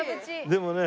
でもね